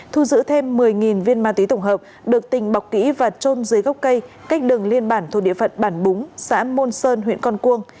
thu giữ thêm một mươi viên ma túy tổng hợp được tình bọc kỹ và trôn dưới gốc cây cách đường liên bản thuộc địa phận bản búng xã môn sơn huyện con cuông